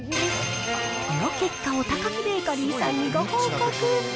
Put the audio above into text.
この結果をタカキベーカリーさんにご報告。